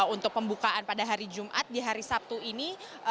untuk pembukaan pada hari jumat di hari sabtu ini